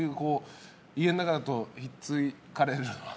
家の中だとひっつかれるのは。